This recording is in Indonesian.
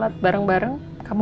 dan papa gamb purchased